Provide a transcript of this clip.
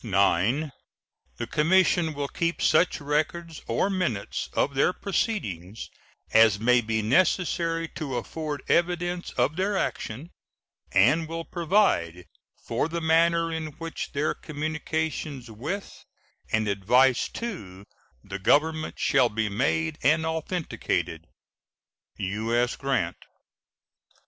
9. The commission will keep such records or minutes of their proceedings as may be necessary to afford evidence of their action, and will provide for the manner in which their communications with and advice to the Government shall be made and authenticated. U.S. GRANT.